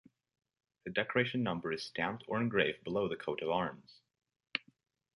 The decoration number is stamped or engraved below the Coat of Arms.